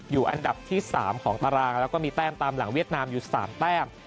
อยู่อันดับที่๓ของตารางแล้วก็มีแต้มตามหลังเวียดนามอยู่๓แต้ม